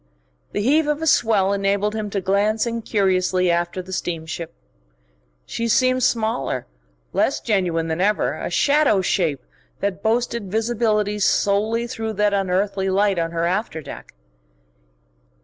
The heave of a swell enabled him to glance incuriously after the steamship. She seemed smaller, less genuine than ever, a shadow shape that boasted visibility solely through that unearthly light on her after deck.